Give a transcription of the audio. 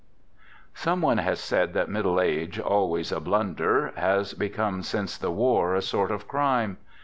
Some one has said that middle age, always a blunder, has become since the war a sort of crime.